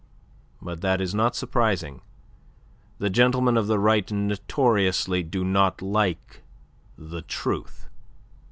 But that is not surprising. The gentlemen of the Right notoriously do not like the truth."